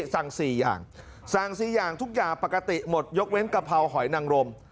สั่ง๔อย่างสั่ง๔อย่างทุกอย่างปกติหมดยกเว้นกะเพราหอยนังรม